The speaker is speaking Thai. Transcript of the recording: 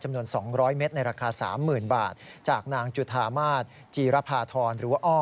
จำนวน๒๐๐เมตรในราคา๓๐๐๐บาทจากนางจุธามาศจีรภาธรหรือว่าอ้อ